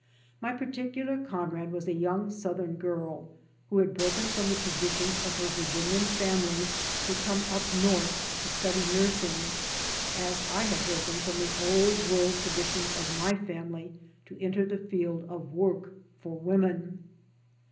My particular comrade was a young south cm g^rl who had broken from the traditions of her Virginian family to come up north to study nursing, as I had broken from the old world traditions of my family to enter the field of work for women.